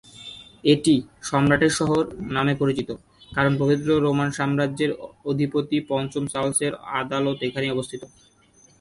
এটি "সম্রাটের শহর" নামে পরিচিত, কারণ পবিত্র রোমান সাম্রাজ্যের অধিপতি পঞ্চম চার্লসের আদালত এখানেই অবস্থিত।